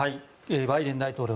バイデン大統領